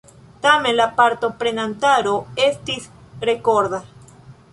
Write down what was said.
Tamen la partoprenantaro estis rekorda.